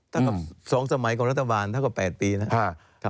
ถ้าเกิด๒สมัยกว่ารัฐบาลถ้าเกิด๘ปีนะครับ